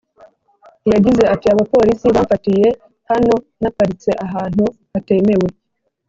yagize ati “abapolisi bamfatiye hano na paritse ahanntu hatemewe